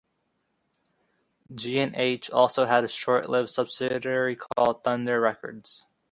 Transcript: The City of Reedsburg is located within the town, though it is politically independent.